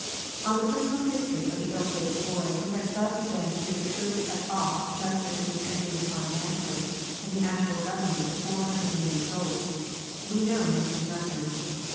Of the personal history of the ill fated boy who has thus been prematurely cut off just as he was entering upon manhood and the actual government of four hundred million souls, we know next to nothing.